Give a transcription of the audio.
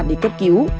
để cấp cứu